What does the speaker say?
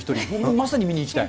まさに見に行きたい。